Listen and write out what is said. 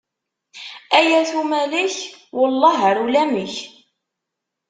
Ay at Umalek, welleh ar ulamek.